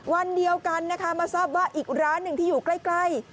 วันเดียวกันนะคะมาทราบว่าอีกร้านหนึ่งที่อยู่ใกล้